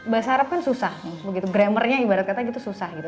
bahasa arab kan susah begitu gramernya ibarat kata gitu susah gitu